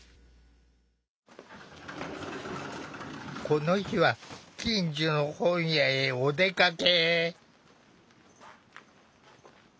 この日は近所の本屋へお出かけ。